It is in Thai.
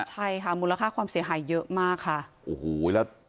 ใช่ค่ะมูลค่าความเสียหายเยอะมากค่ะโอ้โหแล้ว